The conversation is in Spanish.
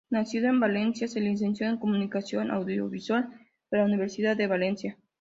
Nacido en Valencia, se licenció en Comunicación Audiovisual por la Universidad de Valencia.